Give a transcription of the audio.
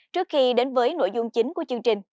trước khi đến với nội dung chính của chương trình